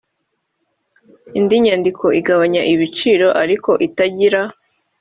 indi nyandiko igabanya ibiciro ariko itagira